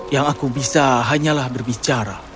yang aku bisa hanyalah berbicara